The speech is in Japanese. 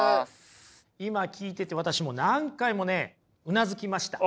今聞いてて私も何回もねうなずきました。